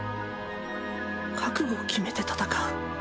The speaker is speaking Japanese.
覚悟を決めて戦う。